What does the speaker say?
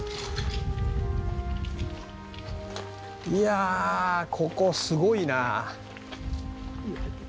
いやあここすごいな。